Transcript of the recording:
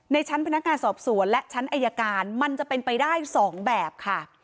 ในชั้นพนักงานสอบสวนและชั้นอายการมันจะเป็นไปได้๒แบบค่ะ